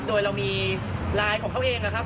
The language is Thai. โดยเรามีไลน์ของเขาเองนะครับ